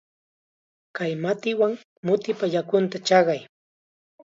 Kay matiwan mutipa yakunta chaqay.